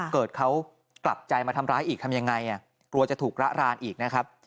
เกิดเขากลับใจมาทำร้ายอีกทำยังไงกลัวจะถูกระรานอีกนะครับ